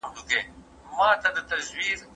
آیا نوې ټیکنالوژي تر زړو میتودونو چټکه ده؟